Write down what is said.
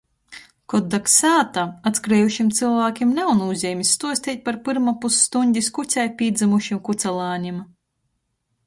Kod dag sāta, atskriejušim cylvākim nav nūzeimis stuosteit par pyrma pusstuņdis kucei pīdzymušim kucalānim.